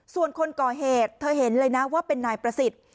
ส่วนคนก่อเหตุเธอเห็นเลยนะว่าเป็นนายประสิทธิ์